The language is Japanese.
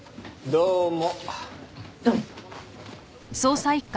どうも。